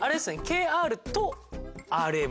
ＫＲとＲＭ。